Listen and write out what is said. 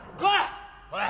おい。